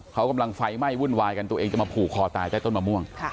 เขากำลังไฟไหม้วุ่นวายกันตัวเองจะมาผูกคอตายใต้ต้นมะม่วง